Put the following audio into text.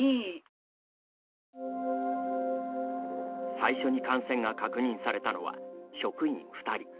最初に感染が確認されたのは職員２人。